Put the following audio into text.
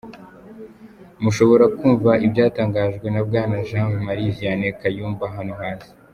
Mushobora kumva ibyatangajwe na Bwana Jean Marie Vianney Kayumba hano hasi: